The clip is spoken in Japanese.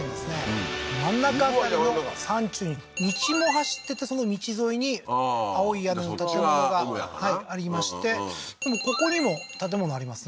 うん真ん中辺りの山中に道も走っててその道沿いに青い屋根の建物がありましてでもここにも建物ありますね